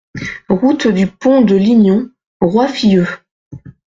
Route du Pont de Lignon, Roiffieux